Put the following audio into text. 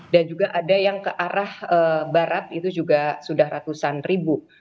dan juga ada yang ke arah barat itu juga sudah ratusan ribu